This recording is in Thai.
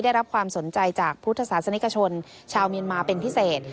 ได้รับความสนใจจากพุทธศาสนิกชนชาวเมียนมาเป็นพิเศษ